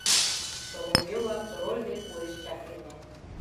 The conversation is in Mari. Соловьёва Король дек уэш чакеме.